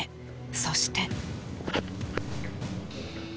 そして。